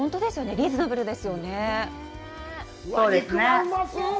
リーズナブルですよね。